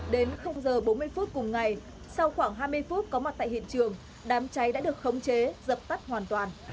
đến giờ bốn mươi phút cùng ngày sau khoảng hai mươi phút có mặt tại hiện trường đám cháy đã được khống chế dập tắt hoàn toàn